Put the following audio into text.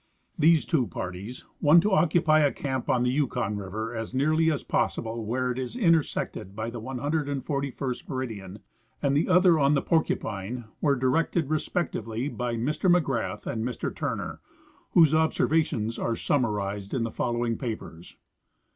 These two parties, one to occujjy a camp on the Yukon river as nearly as possible where it is intersected by the 141st meridian and the other on the Porcupine, were directed respectively by Mr McGrath and Mr Turner, whose observations are summarized in the following papers.